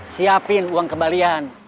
siapin uang kembalian